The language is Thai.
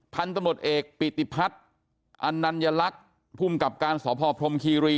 พันธุ์ตำรวจเอกปิติพัฒน์อนัญลักษณ์ภูมิกับการสพพรมคีรี